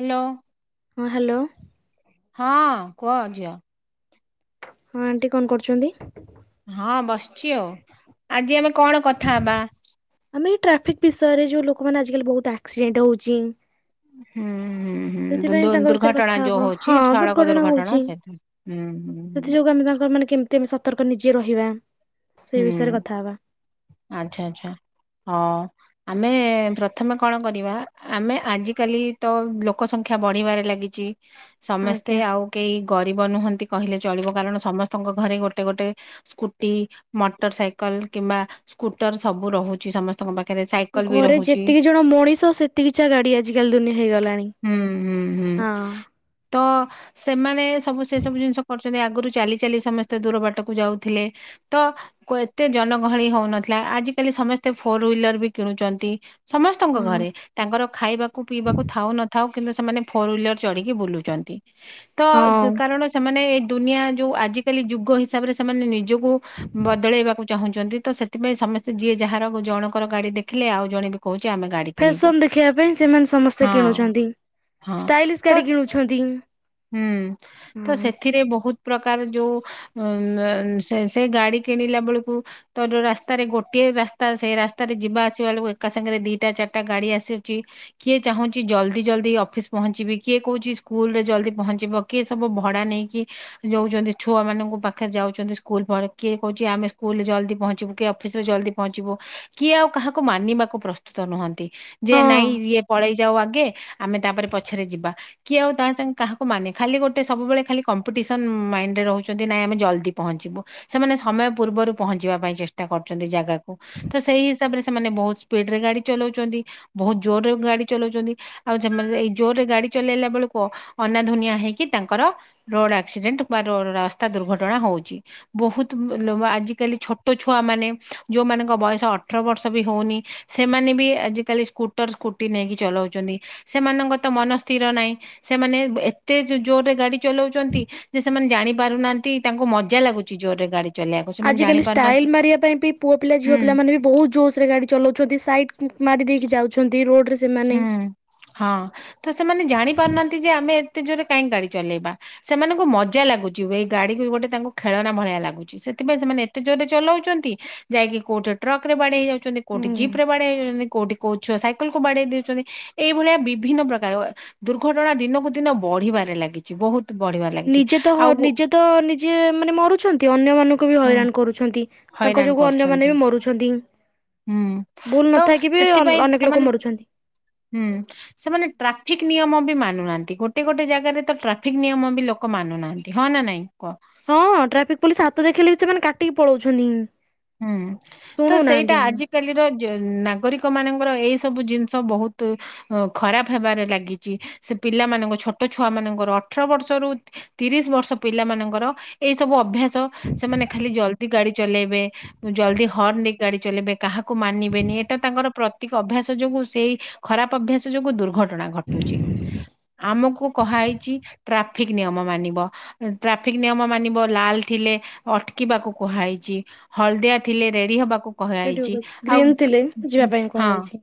Hello. ହଁ hello. ହଁ କୁହ ଝିଅ। ହଁ ଆଣ୍ଟି କଣ କରୁଛନ୍ତି? ହଁ ବସିଛି ଆଉ, ଆଜି ଆମେ କଣ କଥା ହେବା? ଆମେ ଏଇ ଟ୍ରାଫିକ୍ ବିଷୟରେ ଯୋଉ ଲୋକମାନେ ଆଜିକାଲି ବହୁତ ଆକ୍ସିଡେଣ୍ଟ ହଉଚି। ହୁଁଁ। ଉଁ, ହୁଁ ଦୁନ୍ ଦୁର୍ ତାଙ୍କ ବିଷୟରେ କଥା ଦୁର୍ଘଟଣା ହବ ଯୋଉ ହଁ ହଉଛି ସଡକ ଦୁର୍ଘଟଣା ହଉଛି। ସେଥା ହୁଁ, ହୁଁ। ହୁଁ ସେଥି ଯୋଗୁଁ ଆମେ ତାଙ୍କ ମାନେ କେମିତି ଆମେ ସତର୍କ ନିଜେ ରହିବା। ସେ ହୁଁ ବିଷୟରେ କଥା ହବା ଆଚ୍ଛା ଆଚ୍ଛା ହଁ। ଆମେ ପ୍ରଥମେ କଣ କରିବା ଆମେ ଆଜିକାଲି ତ ଲୋକ ସଂଖ୍ୟା ବଢିବାରେ ଲାଗି ଛି ସମସ୍ତେ ଆଜ୍ଞା ଆଉ କେହି ଗରିବ ନୁହନ୍ତି କହିଲେ ଚଳିବ କାରଣ ସମସ୍ତଙ୍କ ଘରେ ଗୋଟେ ଗୋଟେ ସ୍କୁଟି ମଟରସାଇକଲ କିମ୍ବା ସ୍କୁଟର ସବୁ ରହୁଛି ସମସ୍ତଙ୍କ ପା ଘରେ ଯେତିକି ଜଣ ମଣିଷ ସେତିକି ଚା ଗାଡି ଆଜିକାଲି ଦୁନିଆ ହେଇଗଲାଣି। ହୁଁ ହୁଁ ହୁଁ ହଁ ତ ସେମାନେ ସବୁ ସେ ସବୁ ଜିନିଷ କରିଚ ଚନ୍ତି ଆଗରୁ ଚାଲି ଚାଲି ସମସ୍ତେ ଦୂର ବାଟକୁ ଯାଉଥିଲେ। ତ କ୍ୱେତେ ଜନଗହଳି ହଉନଥିଲା ଆଜିିକାଲି ସମସ୍ତେ ଫୋର ହ୍ୱିଲର ବି କିଣୁଛନ୍ତି। ସମସ୍ତଙ୍କ ହଁ। ଘରେ ତାଙ୍କର ଖାଇବାକୁ ପିଇବାକୁ ଥାଉ ନଥାଉ କିନ୍ତୁ ସେମାନେ ଫୋର ହ୍ୱିଲର ଚଢିକି ବୁଲୁଛନ୍ତି ତ ହଁ ଯ କାରଣ ସେମାନେ ଏଇ ଦୁନିଆ ଯୋଉ ଆଜିକାଲି ଯୁଗ ହିସାବରେ ସେମାନେ ନିଜକୁ ବଦଳେଇବାକୁ ଚାହୁଁଛନ୍ତି ତ ସେଥିପାଇଁ ସମସ୍ତେ ଯିଏ ଯାହାର ଜଣଙ୍କର ଗାଡି ଦେଖିଲେ ଆଉ ଜଣେ ବି କହୁଛି ଆମେ ଗାଡ଼ି ଫ୍ୟାସନ କିଣିବୁ। ଦେଖେଇବା ପାଇଁ ସେମାନେ ସମସ୍ତେ ହଁ କିଣୁଛନ୍ତି ହଁ ଷ୍ଟାଇଲିସ୍ ଗାଡି ତ କିଣୁଛନ୍ତି। ହୁଁ ହଁ ତ ସେଥିରେ ବହୁତ ପ୍ରକାର ଯୋଉ ଉମ୍ ଉନ୍ ସେ ସେ ଗାଡି କିଣିଲା ବେଳକୁ ତ ଯୋଉ ରାସ୍ତାରେ ଗୋଟିଏ ରାସ୍ତା ସେଇ ରାସ୍ତାରେ ଯିବା ଆସିବା ବେଳକୁ ଏକା ସାଙ୍ଗରେ ଦି ଟା ଚାରିଟା ଗାଡି ଆଶୁଛି। କିଏ ଚାହୁଁଛି ଜଲଦି ଜଲଦି ଅଫିସ ପହଞ୍ଚିବି କିଏ କହୁଛି ସ୍କୁଲ ରେ ଜଲଦି ପହଞ୍ଚିବ କିଏ ସବୁ ଭଡ଼ା ନେଇକି ଯଉଛନ୍ତି ଛୁଆ ମାନଙ୍କ ପାଖରେ ଯାଉଛନ୍ତି ସ୍କୁଲ ପରେ କିଏ କହୁଛି ଆମେ ସ୍କୁଲରେ ଜଲ୍ଦି ପହଞ୍ଚିବୁ କିଏ ଅଫିସ ରେ ଜଲଦି ପହଞ୍ଚିବୁ କିଏ ଆଉ କାହାକୁ ମାନିବାକୁ ପ୍ରସ୍ତୁତ ନୁହଁନ୍ତି। ଯେ ହଁ। ନାଇଁ ଇଏ ପଳେଇ ଯାଉ ଆଗେ ଆମେ ତାପରେ ପଛରେ ଯିବା କିଏ ଆଉ ତା ସାଙ୍ଗେ କାହାକୁ ମାନେ ଖାଲି ଗୋଟେ ସବୁବେଳେ ଖାଲି କମ୍ପିଟିସନ୍ ମାଇଣ୍ଡରେ ରହୁଛନ୍ତି ନାଇଁ ଆମେ ଜଲଦି ପହଞ୍ଚିବୁ। ସେମାନେ ସମୟ ପୂର୍ବରୁ ପହଞ୍ଚିବା ପାଇଁ ଚେଷ୍ଟା କରୁଛନ୍ତି ଜାଗାକୁ ତ ସେଇ ହିସାବରେ ସେମାନେ ବହୁତ ସ୍ପିଡ ରେ ଗାଡି ଚଲାଉଛନ୍ତି। ବହୁତ ଜୋରରେ ଗାଡି ଚଲାଉଛନ୍ତି ଆଉ ଯେ ସେମାନେ ଏଇ ଜୋରରେ ଗାଡି ଚଲେଇଲା ବେଳକୁ ଅନାଧୁନିଆ ହେଇକି ତାଙ୍କର ରୋଡ଼ ଆକ୍ସିଡେଣ୍ଟ ବା ରୋଡ଼ ରାସ୍ତା ଦୁର୍ଘଟଣା ହଉଛି। ବହୁତ ଲୋ ଆଜିକାଲି ଛୋଟ ଛୁଆ ମାନେ ଯୋଉମାନଙ୍କ ବୟସ ଅଠର ବର୍ଷ ବି ହଉନି ସେମାନେ ବି ଆଜିକାଲି ସ୍କୁଟର ସ୍କୁଟି ନେଇକି ଚଲଉଛନ୍ତି। ସେମାନଙ୍କ ତ ମନ ସ୍ଥିର ନାହିଁ ସେମାନେ ଏତେ ଜୋର ରେ ଗାଡି ଚଲାଉଛନ୍ତି ଯେ ସେମାନେ ଜାଣି ପାରୁନାହାନ୍ତି ତାଙ୍କୁ ମଜା ଲାଗୁଛି ଜୋର ରେ ଗାଡି ଚଲେଇବାକୁ ସେମାନେ ଜାଣି ଆଜିକାଲି ଷ୍ଟାଇଲ ପାରୁନାହାନ୍ତି ମାରିବା ପାଇଁ ପୁଅ ପିଲା ଝିଅ ହୁଁ ପିଲାମାନେ ବି ବହୁତ ଜୋସ ରେ ଗାଡି ଚଲାଉଛନ୍ତି ସାଇଟ କ୍ ମାରି ଦେଇକି ଯାଉଛନ୍ତି ରୋଡ ରେ ହୁଁ ହଁ ତ ସେମାନେ ଜାଣିପାରୁନାହାନ୍ତି ଯେ ଆମେ ଏତେ ଜୋରେ କାହିଁକି ଗାଡି ଚଲେଇବା। ସେମାନଙ୍କୁ ମଜା ଲାଗୁଛି ୱେ ଗାଡିକୁ ଗୋଟେ ତାଙ୍କୁ ଖେଳନା ଭଳିଆ ଲାଗୁଛି। ସେଥିପାଇଁ ସେମାନେ ଏତେ ଜୋରରେ ଚଲଉଛନ୍ତି ଯାଇକି କୋଉଠି ଟ୍ରକ ରେ ବାଡେଇ ହେଇଯାଉ କୋଉଠି ଜିପ୍ ରେ ବାଡେଇ ହେଇଯାଉଛନ୍ତି, କୋଉଠି କୋଉ ଛୁଆ ସାଇକଲକୁୁ ବାଡେଇ ଦେଉଚନ୍ତି, ଏଇଭଳିଆ ବିଭିନ୍ନ ପ୍ରକାର ଦୁର୍ଘଟଣା ଦିନକୁ ଦିନ ବଢିବାରେ ଲାଗିଛି। ବହୁତ ବଢିବାରେ ଲାଗିଛି ନିଜେ ତ ହ ଆଉ ନିଜେ ତ ନିଜେ ମାନେ ମରୁଛନ୍ତି ଅନ୍ୟମାନଙ୍କୁ ନଙ୍କୁ ବି ହୁଁ ହଇରାଣ କରୁଛନ୍ତି, ତାଙ୍କ ହଇରାଣ ଯୋଗୁ କରୁଛନ୍ତି ଅନ୍ୟମାନେ ବି ମରୁଛନ୍ତି। ହୁଁ ଭୁଲ ତ ନଥାଇକି ବି ସେଥିପାଇଁ ଅ-ଅନେକ ଲୋକ ସେମାନେ ମରୁଛନ୍ତି। ହୁଁ ସେମାନେ ଟ୍ରାଫିକ ନିୟମ ବି ମାନୁନାହାଁନ୍ତି। ଗୋଟେ ଗୋଟେ ଜାଗାରେ ତ ଟ୍ରାଫିକ ନିୟମ ବି ଲୋ କ ମାନୁ ନାହାଁନ୍ତି। ହଁ ନା ନାଇଁ କୁହ? ହଁ, ଟ୍ରାଫିକ ପୋଲିସ ହାତ ଦେଖେଇଲେ ବି ସେମାନେ କାଟିକି ପଳଉଛନ୍ତି। ହୁଁ। ତ ଶୁଣୁନାହାନ୍ତି। ସେଇଟା ଆଜିକ୍ ଆଜିକାଲିର ଯେ ନାଗରିକମାନଙ୍କର ଏଇ ସବୁ ଜିନିଷ ବହୁତୁ ଅ ଖରାପ ହେବାରେ ଲାଗିଚି, ସେ ପିଲାମାନଙ୍କୁ ଛୋଟ ଛୁଆମାନଙ୍କର ଅଠର ବର୍ଷରୁ ତିରିଶ ବର୍ଷ ପିଲାମାନଙ୍କର ଏଇ ସବୁ ଅଭ୍ୟାସ ସ, ସେମାନେ ଖାଲି ଜଲଦି ଗାଡି ଚଲେଇବେ, ଜଲଦି ହର୍ଣ୍ଣ ଦେଇ ଗାଡି ଚଲେଇବେ କାହାକୁ ମାନିବେନି, ଏଇଟା ତାଙ୍କର ପ୍ରତୀକ ଅଭ୍ୟାସ ଯୋଗୁ ସେଇ ଖରାପ ଅଭ୍ୟାସ ଯୋଗୁ ଦୁର୍ଘଟ ଘଟଣା ଘଟୁଚି, ଆମକୁ କହାହେଇଛି ଟ୍ରାଫିକ ନିୟମ ମାନିବ। ଟ୍ରାଫିକ ନିୟମ ମାନିବ, ଲାଲ ଥିଲେ ଅଟକିବାକୁ କୁହାହେଇଛି। ହଳଦିଆ ଥିଲେ ରେଡି ହବାକୁ ଏଇଠି କହାହେଇଛି, ଆଉ ଗ୍ରୀନ୍ ଥିଲେ ଯିବା ପାଇଁ ହଁ। କୁହାଯାଇଛି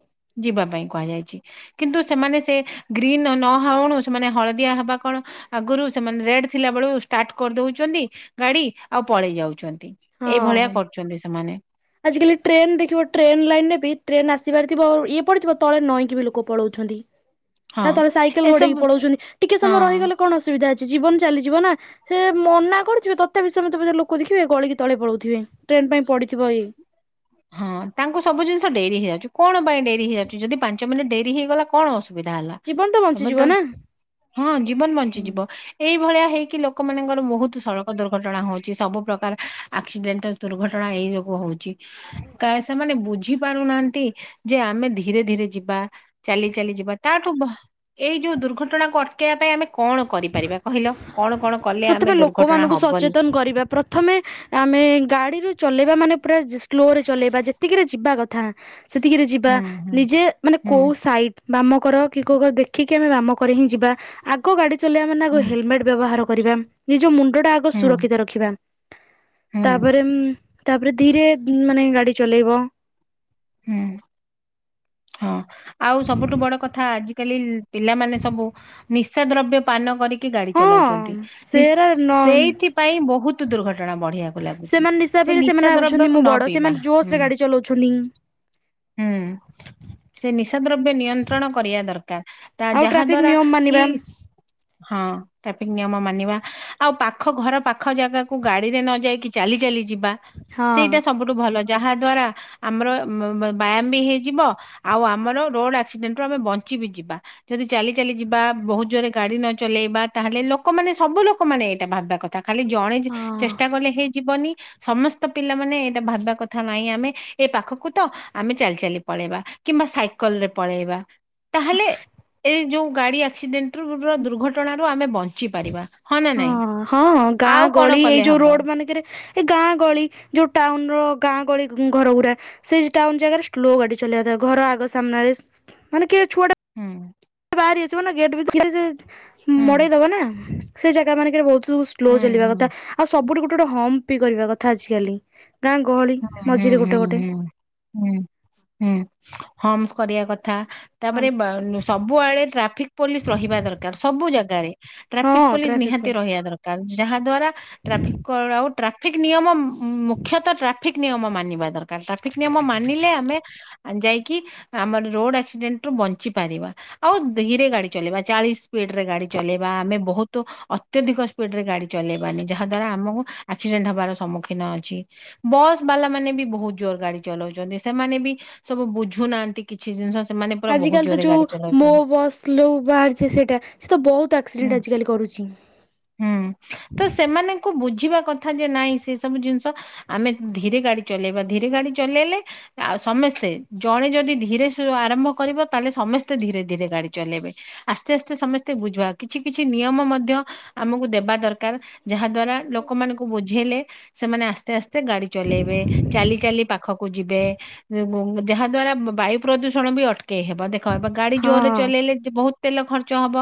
ଯିବା ପାଇଁ କୁହାଯାଇଛି। କିନ୍ତୁ ସେମାନେ ସେ ଗ୍ରୀନ ନ-ନହଉଣୁ ସେମାନେ ହଳଦିଆ ହବା କଣ ଆଗୁରୁ ସେମାନେ ରେଡ ଥିଲା ବେଳୁ ଷ୍ଟାର୍ଟ କରିଦଉଚନ୍ତି ଗାଡି ଆଉ ପଳେଇ ଯାଉଛନ୍ତି। ହଁ। ଏଇଭଳିଆ କରୁଛନ୍ତି ସେମାନେ। ଆଜିକାଲି ଟ୍ରେନ ଦେଖିବ, ଟ୍ରେନ୍ ଲାଇନରେ ବି ଟ୍ରେନ ଆସିବାର ଥିବ, ଇଏ ପଡ଼ିଥିବ ତଳେ ନଇଁକି ବି ଲୋକ ପଳଉଛନ୍ତି। ହଁ ତା ତଳେ ସାଇକେଲ ଗଡେଇକି ଏସବୁ ପଳଉଛନ୍ତି। ଟିକେ ହଁ ସମୟ ରହିଗଲେ କଣ ଅସୁବିଧା ଅଛି, ଜୀବନ ଚାଲିଯିବ ନା। ସେ ମନା କରୁଥିବେ, ତଥାପି ସେ ମତେ ମତେ ଲୋକ ଦେଖିବେ ଗଳିକି ତଳେ ପଳଉଥିବେ, ଟ୍ରେନ ପାଇଁ ପଡିଥିବ ଏଇ। ହଁ ତାଙ୍କୁ ସବୁ ଜିନିଷ ଡେରି ହେଇଯାଉଛି, କଣ ପାଇଁ ଡେରି ହେଇଯାଉଛି? ଯଦି ପାଞ୍ଚ ମିନିଟ ଡେରି ହେଇଗଲା କଣ ଅସୁବିଧା ହେଲା? ଜୀବନ ତ ବଞ୍ଚିଯିବ ନା। ହଁ ଜୀବନ ବଞ୍ଚିଯିବ। ଏଇଭଳିଆ ହେଇକି ଲୋକମାନଙ୍କର ବହୁତ ସଡକ ଦୁର୍ଘଟଣା ହଉଛି, ସବୁ ପ୍ରକାର ଆକ୍ସିଡେଣ୍ଟାଲ ଦୁର୍ଘଟଣା ଏଇ ଯୋଗୁ ହଉଛି, କାଏ ସେମାନେ ବୁଝି ପାରୁନାହାଁନ୍ତି, ଯେ ଆମେ ଧୀରେ ଧୀରେ ଯିବା, ଚାଲି ଚାଲି ଯିବା, ତାଠୁ ଭ ଏଇ ଯୋଉ ଦୁର୍ଘଟଣାକୁ ଅଟକେଇବା ପାଇଁ ଆମେ କଣ କରିପାରିବା କହିଲ? କଣ କଣ କଲେ ଆମେ ପ୍ରଥମେ ଦୁର୍ଘଟଣା ଲୋକମାନଙ୍କୁ ହବନି ସଚେତନ କରିବା। ପ୍ର ଥମେ, ଆମେ ଗାଡିରୁ ଚଲେଇବା ମାନେ ପୁରା ସ୍ଲୋରେ ଚଲେଇବା, ଯେତିକିରେ ଯିବା କଥା। ସେତିକିରେ ଯିବା।, ହୁଁ ହୁଁ ନିଜେ ମାନେ କୋଉ ହୁଁ ସାଇଡ ବାମକର କି କୋଉ କର ଦେଖିକି ଆମେ ବାମ କରେ ହିଁ ଯିବା। ଆଗ ଗାଡି ଚଲେଇବା ମାନେ ଆଗ ହୁଁ ହେଲମେଟ ବ୍ୟବହାର କରିବା, ନିଜ ମୁଣ୍ଡଟା ଆଗ ହୁଁ ସୁରକ୍ଷିତ ରଖିବା। ହୁଁ ତାପରେ ଉମ୍ ତାପରେ ଧୀରେ ମାନେ ଗାଡ଼ି ଚଲେଇବ। ହୁଁ। ହଁ ଆଉ ସବୁଠୁ ବଡ କଥା, ଆଜିିକାଲି ପିଲାମାନେ ସବୁ ନିଶା ଦ୍ରବ୍ୟ ପାନ କରିକି ଗାଡି ହଁ ଚଲାଉଛନ୍ତି। ନିସ୍ ସେରା ନ ସେଇଥିପାଇଁ ବହୁତ ଦୁର୍ଘଟ ଘଟଣା ବଢିବାକୁ ଲାଗୁଛି। ସେମାନେ ସେ ହିସାବରେ ସେମାନେ ନିଶା ଭାବୁଛନ୍ତି ଦ୍ରବ୍ୟକୁ ମୁଁ ନ ବଡ ପିଇବା, ସେମାନେ ଜୋସ ରେ ହୁଁ। ଗାଡି ଚଲାଉଛନ୍ତି ହୁଁ। ସେ ନିଶା ଦ୍ରବ୍ୟ ନିୟନ୍ତ୍ରଣ କରିଆ ଦରକାର। ତା ଆଉ ଯାହା ଟ୍ରାଫିକ ଦ୍ଵାରା ନିୟମ କି ମାନିବା ହଁ। ଟ୍ରାଫିକ ନିୟମ ମାନିବା, ଆଉ ପାଖ ଘର ପାଖ ଜାଗାକୁ ଗାଡିରେ ନ ଯାଇକି ଚାଲି ଚାଲି ଯିବା ହଁ ସେଇଟା ସବୁଠୁ ଭଲ, ଯାହାଦ୍ଵାରା ଆମର ମ୍ ବ୍ ବ୍ୟାୟାମ ବି ହେଇଯିବ ଆଉ ଆମର ରୋଡ ଆକ୍ସିଡେଣ୍ଟରୁ ଆମେ ବଞ୍ଚି ବିି ଯିବା। ଯଦି ଚାଲି ଚାଲି ଯିବା, ବହୁତ ଜୋରରେ ଗାଡି ନଚଲେଇବା, ତାହେଲେ ଲୋକମାନେ ସବୁ ଲୋକମାନେ ଏଇଟା ଭାବିବା କଥା। ଖାଲି ଜଣେ ଯଦି ହଁ ଚେଷ୍ଟା କଲେ ହେଇ ଯିବନି ସମସ୍ତ ପିଲାମାନେ ଏଇଟା ଭାବିବା କଥା ନାହିଁ ଆମେ, ଏ ପାଖକୁ ତ ଆମେ ଚାଲି ଚାଲି ପଳେଇବା। କିମ୍ବା ସାଇକେଲରେ ପଳେଇବା ତାହେଲେ ଏ ଯଉଁ ଗାଡ଼ି ଆକ୍ସିଡେଣ୍ଟ ଟୁର୍ ଦୁର୍ଘଟଣାରୁ ଆମେ ବଞ୍ଚ ହଁ ହଁ ଆଉ ଗାଁ କଣ ଗଳି ଏଇ କଲେ ଯୋଉ ହବ ରୋଡ ମାନେଙ୍କରେ ଏ ଗାଁ ଗହଳି ଯୋଉ ଟାଉନ ର ଗାଁ ଗଳି ଘର ଗୁଡ଼ା। ସେ ଟାଉନ ଜାଗାରେ ସ୍ଲୋ ଗାଡି ଚଲେଇବା କଥା ଘର ଆଗ ସାମ୍ନାରେ ମାନେ କିଏ ଛୁଆ ଟା ହୁଁ। ପାରେ ହେଇଯିବ ନା ଗେଟ ଭିତରେ ଥିଲେ ସେ ହୁଁ ମଡେଇ ଦବ ନା ସେ ଜାଗା ମାନଙ୍କରେ ବହୁତ ସ ସ୍ଲୋ ହୁଁ ଚଲେଇବା ହୁଁ। କଥା ଆଉ ସବୁଠୁ ଗୋଟେ ଗୋଟେ ହମ୍ପ ବି କରିବା କଥା ଆଜିକାଲି। ଗାଁ ଗହଳି ହୁଁ ହୁଁ ମଝିରେ ଗୋଟେ ହୁଁ ଗୋଟେ। ହୁଁ ହୁଁ ହୁଁ ହମସ କରିଆ କଥା। ତାପରେ ହମ୍ପ। ବାନୁ ସବୁଆଡେ ଟ୍ରାଫିକ ପୋଲିସ ରହିବା ଦରକାର ସବୁ ଜାଗାରେ। ଟ୍ରାଫିକ୍ ହଁ ପୋଲିସ ଟ୍ରାଫିକ ନିହାତି ପୋଲିସ ରହିବା ଦର କାର ଯାହା ଦ୍ଵାରା ଟ୍ରାଫିକର ଆଉ ଟ୍ରାଫିକ ନିୟମ ମୁଖ୍ୟତଃ ଟ୍ରା ଫିକ ନିୟମ ମାନିବା ଦରକାର ଟ୍ରାଫିକ ନିୟମ ମାନିଲେ ଆମେ ଯାଇକି ଆମର ରୋଡ ଆକ୍ସିଡେଣ୍ଟରୁ ବଞ୍ଚି ପାରିବା। ଆଉ ଧୀରେ ଗାଡି ଚଲେଇବା ଚାଳିଶ ସ୍ପିଡ ରେ ଗାଡି ଚଲେଇବା ଆମେ ବହୁତ ଅତ୍ୟଧିକ ସ୍ପିଡ ରେ ଗାଡି ଚଲେଇବାନି ଯାହା ଦ୍ଵାରା ଆମକୁ ଆକ୍ସିଡେଣ୍ଟ ହବାର ସମ୍ମୁଖୀନ ଅଛି। ବସ୍ ବାଲା ମାନେ ବି ବହୁତ ଜୋର ଗାଡି ଚଲଉଛନ୍ତି ସେମାନେ ବି ସବୁ ବୁଝୁନାହାନ୍ତି କିଛି ଜିନିଷ। ସେମାନେ ପୁରା ବହୁତ ଆଜିିକାଲି ତ ଜୋରରେ ଯୋଉ ଗାଡି ମୋ ଚଲାଉଛନ୍ତି। ବସ୍ କ୍ଲୁ ବାହାରିଛି ସେଇଟା ସେ ତ ବହୁତ ହୁଁ। ଆକ୍ସିଡେଣ୍ଟ ଆଜିକାଲି କରୁଛି। ହୁଁ ତ ସେମାନଙ୍କୁ ବୁଝିବା କଥା ଯେ ନାଇଁ ସେ ସବୁ ଜିନିଷ ଆମେ ଧୀରେ ଗାଡି ଚଲେଇବା ଧୀରେ ଗାଡି ଚଲେଇଲେ ଆଉ ସମେସ୍ତେ ଜଣେ ଯଦି ଧୀରେ ସୁ ଆରମ୍ଭ କରିବ ତାହେଲେ ସମସ୍ତେ ଧୀରେ ଧୀରେ ଗାଡି ଚଲେଇବେ। ଆସ୍ତେ ଆସ୍ତେ ସମସ୍ତେ ବୁଝିବା କିଛି କିଛି ନିୟମ ମଧ୍ୟ ଆମକୁ ଦେବା ଦରକାର ଯାହା ଦ୍ଵାରା ଲୋକମାନଙ୍କ ବୁଝେଇଲେ ସେମାନେ ଆସ୍ତେ ଆସ୍ତେ ଗାଡି ଚଲେଇବେ, ଚାଲି ଚାଲି ପା ଖକୁ ଯିବେ ଯାହା ଦ୍ଵାରା ବାୟୁ ପ୍ରଦୂଷଣ ବି ଅଟକେଇ ହେବ ଦେ କହିବ ଗାଡି ହଁ ଜୋରରେ ଚଲେଇଲେ ବହୁତ ତେଲ ଖର୍ଚ୍ଚ ହବ।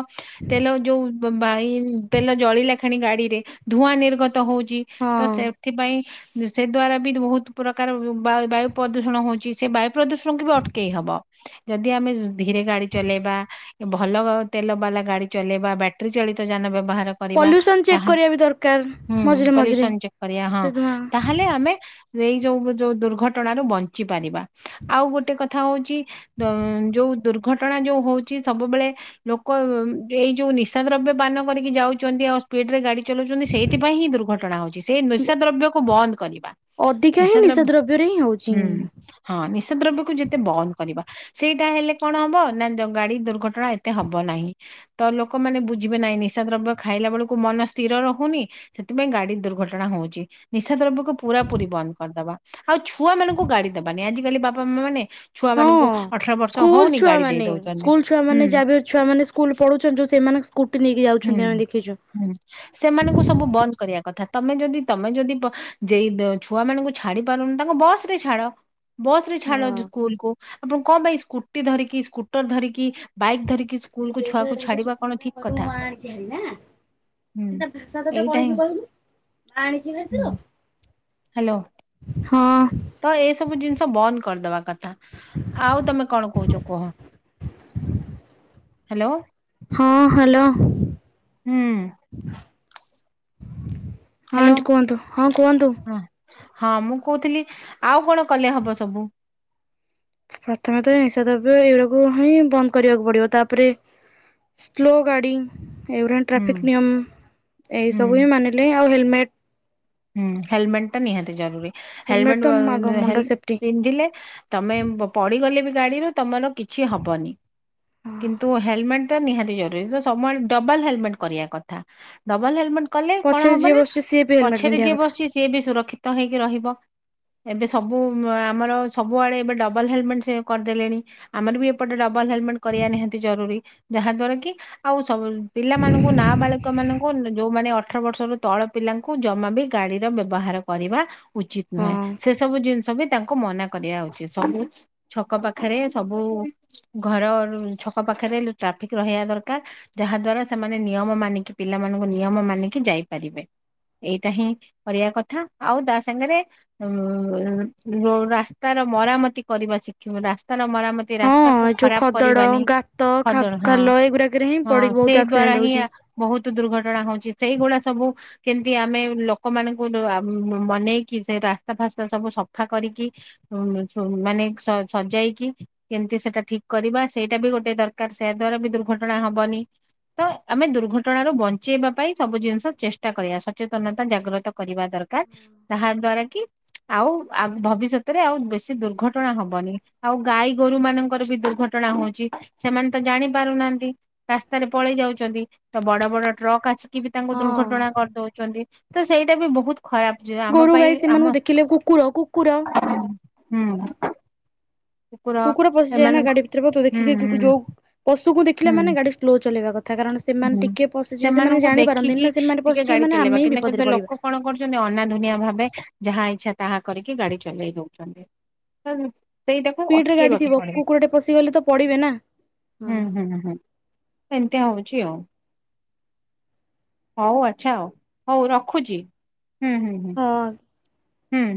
ତେଲ ଯୋଉ ବା ବାଇ ତେଲ ଜଳିଲା କ୍ଷଣି ଗାଡିରେ ଧୂଆଁ ନିର୍ଗତ ହଉଛି। ହଁ ତ ସେପଥିପାଇଁ ସେ ଦ୍ଵାରା ବି ବହୁତ ପ୍ରକାର ବା ବାୟୁ ପ୍ରଦୂଷଣ ହଉଛି ସେ ବାୟୁ ପ୍ରଦୂଷଣକୁ ବି ଅଟକେଇ ହବ। ଯଦି ଆମେ ଧୀରେ ଗାଡି ଚଲେଇବା, ଭଲ ତେଲ ବାଲା ଗାଡି ଚଲେଇବା, ବ୍ୟାଟେରି ଚାଳିତ ଯାନ ବ୍ୟବହାର କରିବା ପଲ୍ୟୁସନ ଚେକ୍ ତାହେଲେ କରିବା ବି ଦରକାର ହୁଁ ମଝିରେ ମଝିରେ ପଲ୍ୟୁସନ ଚେକ୍ କରିବା ହଁ ସେ ଧୂଆଁ ତାହେଲେ ଆମେ ଏଇ ଯୋଉ ଯୋଉ ଦୁର୍ଘଟଣାରୁ ବଞ୍ଚି ପାରିବା ଆଉ ଗୋଟେ କଥା ହଉଚି ତ ଯୋଉ ଦୁର୍ଘଟଣା ଯୋଉ ହଉଛି ସବୁବେଳେ ଲୋକ ଏଇ ଯୋଉ ନିଶା ଦ୍ରବ୍ୟ ପାନ କରିକି ଯାଉଛନ୍ତି ଆଉ ସ୍ପିଡ ରେ ଗାଡି ଚଲଉଛନ୍ତି ସେଇଥିପାଇଁ ହିଁ ଦୁର୍ଘ ଘଟଣା ହଉଛି ସେଇ ନିଶା ଦ୍ରବ୍ୟକୁ ବନ୍ଦ କରିବା। ଅଧିକା ହିଁ ନିଶା ଦ୍ରବ୍ୟରେ ହିଁ ହଉଛି। ହୁଁ ହଁ ନିଶା ଦ୍ରବ୍ୟକୁ ଯେତେ ବନ୍ଦ କରିବା। ସେଇଟା ହେଲେ କଣ ହବ ନା ଗାଡି ଦୁର୍ଘଟଣା ଏତେ ହବ ନାହିଁ। ତ ଲୋକମାନେ ବୁଝିବେ ନାହିଁ ନିଶା ଦ୍ରବ୍ୟ ଖାଇଲା ବେଳକୁ ମନ ସ୍ଥିର ରହୁନି ସେଥିପାଇଁ ଗାଡି ଦୁର୍ଘଟଣା ହଉଛି ନିଶା ଦ୍ରବ୍ୟକୁ ପୁରାପୁରି ବନ୍ଦ କରଦବା। ଆଉ ଛୁଆ ମାନଙ୍କୁ ଗାଡି ଦବାନି ଆଜିକାଲି ବାପା ମା ମାନେ ଛୁଆ ହଁ। ମାନଙ୍କୁ ଅଠର ବର୍ଷ ସ୍କୁଲ ହଉନି ଗାଡି ଦେଇ ଛୁଆମାନେ ଦଉଛନ୍ତି ସ୍କୁଲ ଛୁଆମାନେ ହୁଁ। ଯାବେ ଛୁଆମାନେ ସ୍କୁଲ ପଢୁଛନ୍ତି ଯଉ ସେମାନେ ସ୍କୁଟି ନେଇକି ହୁଁ ଯାଉଛନ୍ତି ଆମେ ଦେଖିଛୁ। ହୁଁ ସେମାନଙ୍କୁ ସବୁ ବନ୍ଦ କରିବା କଥା ତମେ ଯଦି ତମେ ଯଦି ବ ଯେଇଦ ଛୁଆ ମାନଙ୍କୁ ଛାଡି ପାରୁନି ତାଙ୍କୁ ବସ ରେ ଛାଡ ବସ ରେ ଛାଡ ହଁ ସ୍କୁଲକୁ। ଆପଣ କଣ ପାଇଁ ସ୍କୁଟି ଧରିକି ସ୍କୁଟର ଧରିକି ବାଇକ୍ ଧରିକି ସ୍କୁଲକୁୁ ଛୁଆକୁ ଛାଡିବା କଣ ଠିକ କଥା ନୂଆ ଆଣିଛି ଏଇନା। ହୁଁ। ଏ ତା ଭାଷା ତୋତେ ଏଇଟା ହିଁ କହିବି କହିଲୁ ମା ଆଣିଛି [unintelligible] ହାଲୋ। ହଁ। ତ ଏସବୁ ଜିନିଷ ବନ୍ଦ କରିଦବା କଥା, ଆଉ ତମେ କଣ କହୁଚ କୁହ। ହେଲୋ। ହଁ ହାଲୋ। ହୁଁ। ହଁ ହ୍ୟାଲୋ। ଆଣ୍ଟି କୁହନ୍ତୁ ହଁ କୁହନ୍ତୁ। ହଁ ହଁ ମୁଁ କହୁଥିଲି ଆଉ କଣ କଲେ ହବ ସବୁ? ପ୍ରଥମେ ତ ନିଶାଦ୍ରବ୍ୟ ଏଇଗୁଡାକୁ ହିଁ ବନ୍ଦ କରିବାକୁ ପଡିବ, ତାପରେ ସ୍ଲୋ ଗାଡି ଏ ୟୁରା ହୁଁ ଟ୍ରାଫିକ୍ ନିୟମ ଏଇ ହୁଁ। ସବୁ ହିଁ ମାନିଲେ ଆଉ ହେଲମେଟ୍ ହୁଁ ହେଲମେଟ୍ ଟା ନିହାତି ଜରୁରୀ ହେଲମେଟ ତ ଆଗ ମୁଣ୍ଡ ହେଲମେଟ୍ ସେଫ୍ଟି ପିନ୍ଧିଲେ ତମେ ପଡିଗଲେ ବି ଗାଡିରୁ ତମର କିଛି ହବନି। ହଁ। କିନ୍ତୁ ହେଲମେଟ୍ ଟା ନିହାତି ଜରୁରୀ ତ ସମୁଆଡେ ଡବଲ୍ ହେଲମେଟ୍ କରିଆ କଥା। ଡବଲ୍ ହେଲମେଟ୍ କଲେ ପଛରେ କଣ ଯିଏ ହବ ନା ବସୁଛି ସିଏ ବି ହେଲମେଟ ପଛରେ ପିନ୍ଧିବା ଯିଏ କଥା ବସିଛି ସିଏ ବି ସୁରକ୍ଷିତ ହେଇକି ରହିବ। ଏବେ ସବୁ ଆମର ସବୁଆଡେ ଏବେ ଡବଲ୍ ହେଲମେଟ୍ କରିଦେଲେଣି। ଆମର ବି ଏପଟେ ଡବଲ୍ ହେଲମେଟ୍ କରିବା ନିହାତି ଜରୁରୀ, ଯାହାଦ୍ଵାରା କି ଆଉ ସବୁ ପିଲାମାନଙ୍କୁ ନାବାଳିକ ମାନଙ୍କୁ ଯୋଉମାନେ ଅଠର ବର୍ଷରୁ ତଳ ପିଲାଙ୍କୁ ଜମା ବି ଗାଡିର ବ୍ୟବହାର କରିବା ଉଚିତ ହଁ ନୁହେଁ, ସେ ସବୁ ଜିନିଷ ବି ତାଙ୍କୁ ମନା କରିବା ଉଚିତ, ସବୁ ଛକ ପାଖେରେ ସବୁ ଘର ଛକ ପାଖେରେ ଟ୍ରାଫିକ୍ ରହିବା ଦରକାର। ଯାହାଦ୍ଵାରା ସେମାନେ ନିୟମ ମାନିକି ପିଲାମାନଙ୍କୁ ନିୟମ ମାନିକି ଯାଇପାରିବେ। ଏଇଟା ହିଁ କରିଆ କଥା ଆଉ ତା ସାଙ୍ଗେରେ ଉଁ ରୋ - ରାସ୍ତାର ମରାମତି କରିବା ଶିଖିବ ରାସ୍ତାର ମରାମତି ହଁ ରାସ୍ ତାକୁ ଏ ଯୋଉ ଖରାପ ଖଦଡ କରିବାନି ଗାତ ଖଦଡ ଖାଲ ଏଗୁଡାକରେ ହିଁ ହଁ-ହଁ ପଡିକି ବହୁତ ସେଇ ଦ୍ଵାରା ଆକ୍ସିଡେଣ୍ଟ ହିଁ ହଉଛି। ବହୁତୁ ଦୁର୍ଘଟଣା ହଉଚି ସେଇଗୁଡା ସବୁ କେ ଯଦି ଆମେ ଲୋକମାନଙ୍କୁ ମନେଇକି ସେ ରାସ୍ତା ଫାସ୍ତା ସବୁ ସଫା କରିକି ଉ ଛୁ ମାନେ ସ ସଜାଇକି କେମିତି ସେଟା ଠିକ୍ କରିବା ସେଇଟା ବି ଗୋଟେ ଦରକାର୍ ସେୟା ଦ୍ଵାରା ବି ଦୁର୍ଘଟଣା ହବନି। ତ ଆମେ ଦୁର୍ଘଟଣାରୁ ବଞ୍ଚେଇବା ପାଇଁ ସବୁ ଜିନିଷ ଚେଷ୍ଟା କରିବା, ସ ସଚେତନତା ଜାଗ୍ରତ କରିବା ଦରକାର ତାହାଦ୍ଵାରା କି ଆଉ ଭବିଷ୍ୟତରେ ଆଉ ବେଶୀ ଦୁର୍ଘଟଣା ହବନି, ଆଉ ଗାଈ ଗୋରୁ ମାନଙ୍କର ବି ଦୁର୍ଘ ଘଟଣା ହଉଛି ସେମାନେ ତ ଜାଣିପାରୁନାହାନ୍ତି। ରାସ୍ତାରେ ପଳେଇ ଯାଉଚନ୍ତି ତ ବଡ-ବଡ ଟ୍ରକ୍ ଆସି ନ୍ତି ବି ତାଙ୍କୁ ହଁ ଦୁର୍ଘଟଣା କରିଦଉଚନ୍ତି ତ ସେଇଟା ବି ବହୁତ୍ ଖରାପ୍। ଯେ ଆମ ଗୋରୁ ଗାଈ ପାଇଁ ସେମାନଙ୍କୁ ଆମ ଦେଖିଲେ କୁକୁର କୁକୁର ହୁଁ-। କୁକୁର ପଶିଯାଏ ନା ଏମାନଙ୍କ ଗାଡି ଭିତରେ ବା ତୁ ହୁଁ ଦେଖିକି ହୁଁ ଯୋଉ ପଶୁକୁ ହୁଁ ଦେଖିଲାମାନେ ଗାଡି ସ୍ଲୋ ଚଲେଇବା କଥା କାରଣ ହୁଁ ସେମାନେ ଟିକେ ପଶିଯିବେ ସେମାନେ ସେମାନଙ୍କୁ ଦେଖିକି ଜାଣିପାରନ୍ତିନି ନା, ସେମାନେ ଟିକେ ପଶିଯିବେ ଗାଡି ମାନେ ଚଲେଇବା ଆମେ ହିଁ କିନ୍ତୁ କିନ୍ତୁ ବିପଦରେ ପଡିବା। ଲୋକ କଣ ଅନାଧୁନିଆ ଭାବେ ଯାହା ଇଚ୍ଛା ତାହା କରିକି ଗାଡି ଚଲେଇ ଦଉଚନ୍ତି। ସେଇଟାକୁ ସ୍ପିଡରେ ଗାଡି ଅଟକେଇବାକୁ ଥିବ ପଡେ। କୁକୁରଟେ ପଶିଗଲେ ତ ପଡିବେ ନା ହଁ ହୁଁ-ହୁଁ-ହୁଁ ସେମିତିଆ ହଉଚି ଆଉ। ହଉ ଆଚ୍ଛା ଆଉ ହଉ ରଖୁଛି ହଁ ହୁଁ-ହୁଁ-ହୁଁ-ହୁଁ।